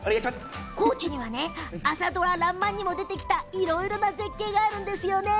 高知には朝ドラ「らんまん」にも出てきたいろいろな絶景があるんですよね。